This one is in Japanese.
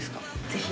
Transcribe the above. ぜひ。